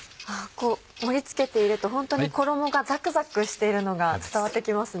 盛り付けているとホントに衣がザクザクしているのが伝わってきますね。